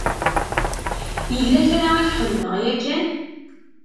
Yella kra i k-xedmeɣ yakan?